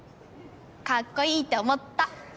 かっこいいって思ったははっ。